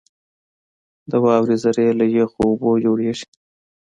• د واورې ذرې له یخو اوبو جوړېږي.